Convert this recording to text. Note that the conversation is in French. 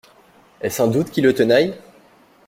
Est-ce un doute qui le tenaille?